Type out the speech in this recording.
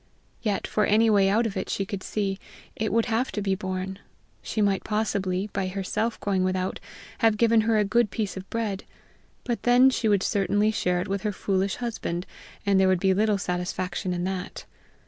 Yet, for any way out of it she could see, it would have to be borne. She might possibly, by herself going without, have given her a good piece of bread; but then she would certainly share it with her foolish husband, and there would be little satisfaction in that!